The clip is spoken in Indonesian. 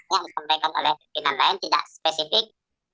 yang disampaikan oleh pimpinan pn tidak spesifik